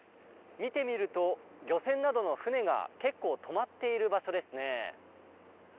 見てみると漁船などの船が結構止まっている場所ですね。